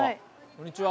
こんにちは！